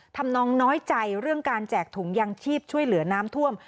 ทำนองน้อยใจเรื่องการแจกถุงยางชีพช่วยเหลือน้ำท่วม